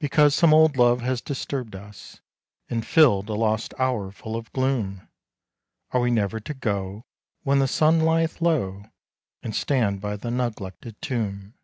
Because some old love has disturbed us, And filled a lost hour full of gloom, Are we never to go, when the sun lieth low, And stand by the neglected tomb?